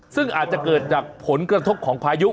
ซึ่งอาจจะเกิดจากผลกระทบของพายุ